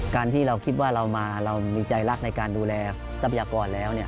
การที่เราคิดว่าเรามาเรามีใจรักในการดูแลทรัพยากรแล้ว